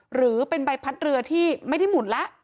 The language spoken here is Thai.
หรือเป็นใบพัดเรือที่ไม่ได้หมุนแล้ว